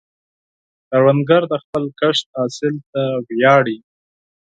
کروندګر د خپل کښت حاصل ته ویاړي